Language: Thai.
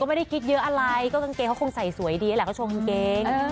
ไม่ได้คิดเยอะอะไรก็กางเกงเขาคงใส่สวยดีแหละเขาชงกางเกง